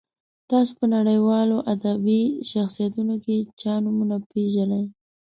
تاسو په نړیوالو ادبي شخصیتونو کې چا نومونه پیژنئ.